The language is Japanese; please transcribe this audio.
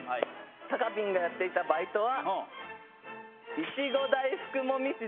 たかぴんがやっていたバイトは。